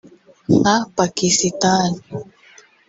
nka pakisitani